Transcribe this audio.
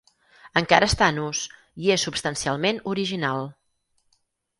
Encara està en ús i és substancialment original.